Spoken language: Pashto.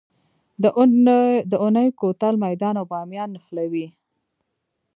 د اونی کوتل میدان او بامیان نښلوي